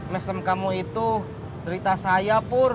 mesem kamu itu cerita saya pur